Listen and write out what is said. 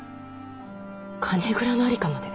金蔵の在りかまで。